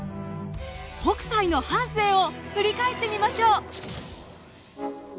北斎の半生を振り返ってみましょう。